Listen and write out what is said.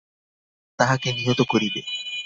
তাঁহাকে নিহত করিবে।